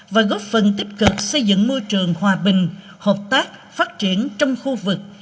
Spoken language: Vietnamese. và góp phần tích cực xây dựng môi trường hòa bình hợp tác phát triển trong khu vực